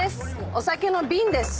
お酒のビンです。